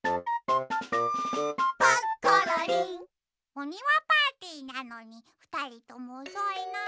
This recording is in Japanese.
おにわパーティーなのにふたりともおそいな。